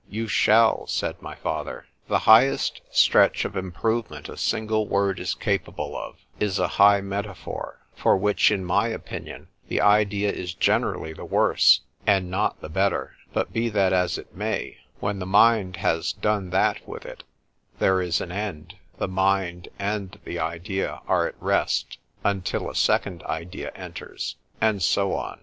You shall, said my father. The highest stretch of improvement a single word is capable of, is a high metaphor,——for which, in my opinion, the idea is generally the worse, and not the better;——but be that as it may,—when the mind has done that with it—there is an end,—the mind and the idea are at rest,—until a second idea enters;—and so on.